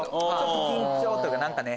緊張というか何かね。